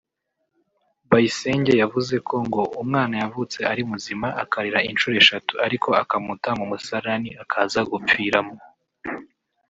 Bayisenge yavuze ko ngo umwana yavutse ari muzima akarira inshuro eshatu ariko akamuta mu musarani akaza gupfiramo